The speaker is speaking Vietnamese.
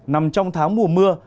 nằm trong tháng mùa mưa